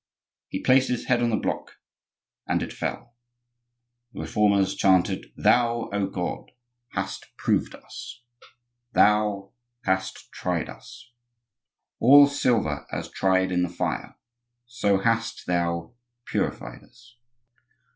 He placed his head on the block, and it fell. The Reformers chanted:— "Thou, O God! hast proved us; Thou hast tried us; As silver is tried in the fire, So hast thou purified us."